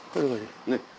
ねっ。